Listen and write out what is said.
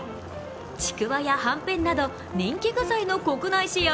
ちくわやはんぺんなど人気具材の国内シェア